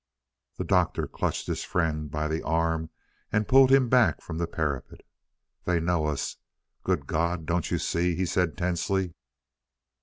The Doctor clutched his friend by the arm and pulled him back from the parapet. "They know us good God, don't you see?" he said tensely.